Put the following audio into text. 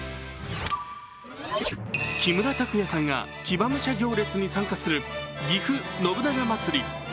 木村拓哉さんが騎馬武者行列に参加するぎふ信長まつり。